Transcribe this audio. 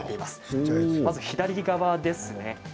まず左側ですね。